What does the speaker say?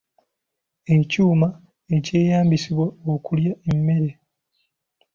Ekyuma ekyeyambisibwa okulya emmere.